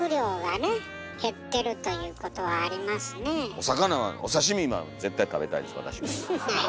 お魚はお刺身は絶対食べたいです私も。